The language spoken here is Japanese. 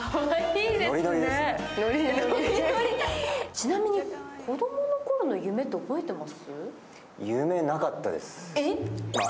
ちなみに、子供の頃の夢って覚えてます？